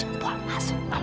jempol masuk mempeng